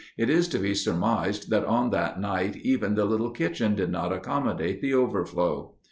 It is to be surmised that on that night even the little kitchen did not accommodate the overflow.